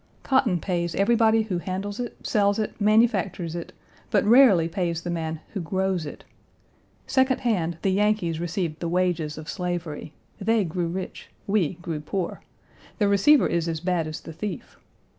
Cotton pays everybody who handles it, sells it, manufactures it, but rarely pays the man who Page 201 grows it. Second hand the Yankees received the wages of slavery. They grew rich. We grew poor. The receiver is as bad as the thief.